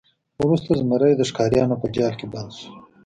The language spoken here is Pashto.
وروسته زمری د ښکاریانو په جال کې بند شو.